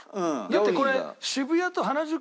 だってこれ。